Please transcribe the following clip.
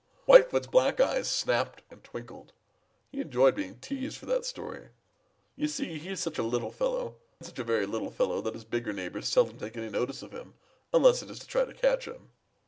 Whitefoot's black eyes snapped and twinkled. He enjoyed being teased for that story. You see, he is such a little fellow, such a very little fellow, that his bigger neighbors seldom take any notice of him unless it is to try to catch him.